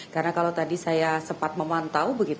karena kalau tadi saya sempat memantau